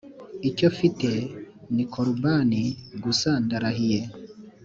icyo mfite ni korubani gusa ndarahiye